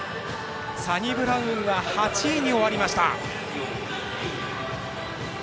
サニブラウンは８位に終わりました。